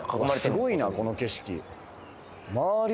すごいなこの景色周り